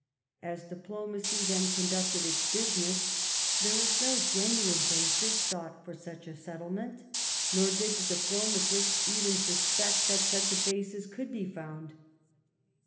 As diplomacy then conducted its business there was no 126 THE REIGN OF QUEEN ANNE. oh. xxvn. genuine basis sought for such a settlement, nor did the diplomatists even suspect that such a basis could be found.